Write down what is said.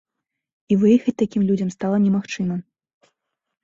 І выехаць такім людзям стала немагчыма.